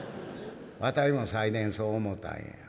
「私も最前そう思ったんや。